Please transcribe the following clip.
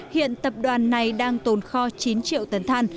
hiện tập đoàn này đang tồn kho chín triệu tấn than